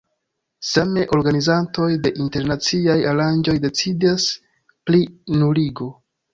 Same, organizantoj de internaciaj aranĝoj decidas pri nuligo.